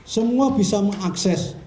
semua bisa mengakses